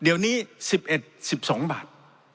เดี๋ยวนี้๑๑๑๒บาท